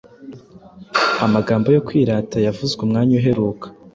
Amagambo yo kwirata yavuzwe umwanya uheruka